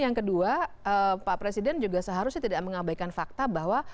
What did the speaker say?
yang kedua pak presiden juga seharusnya tidak mengabaikan fakta bahwa